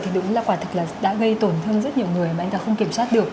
thì đúng là quả thực là đã gây tổn thương rất nhiều người mà anh ta không kiểm soát được